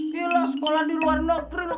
gila sekolah diluar negeri lo